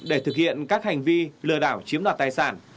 để thực hiện các hành vi lừa đảo chiếm đoạt tài sản